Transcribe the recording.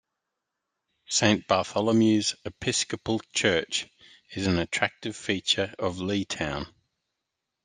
Saint Bartholomew's Episcopal Church is an attractive feature of Leetown.